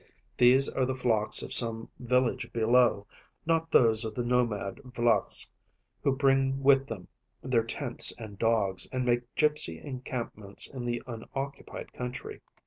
These are the flocks of some village below, not those of the nomad Vlachs, who bring with them their tents and dogs, and make gipsy encampments in the unoccupied country.